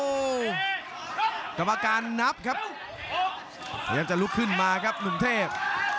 ออกอาการนับครับยังจะลุกขึ้นมาครับหนุ่มเทพ